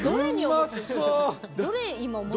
うまそう！